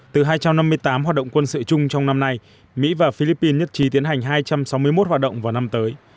từ hai trăm năm mươi tám hoạt động quân sự chung trong năm nay mỹ và philippines nhất trí tiến hành hai trăm sáu mươi một hoạt động vào năm tới